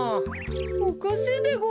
おかしいでごわす。